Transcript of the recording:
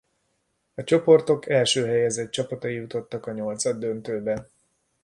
A csoportok első helyezett csapatai jutottak a nyolcaddöntőbe.